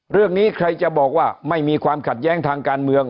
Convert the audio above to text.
เรื่องนี้ใครจะบอกว่าไม่มีความขัดแย้งทางการเมือง